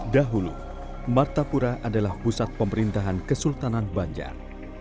dahulu martapura adalah pusat pemerintahan kesultanan banjar